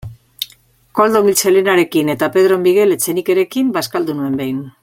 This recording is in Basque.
Koldo Mitxelenarekin eta Pedro Miguel Etxenikerekin bazkaldu nuen behin.